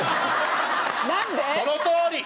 そのとおり！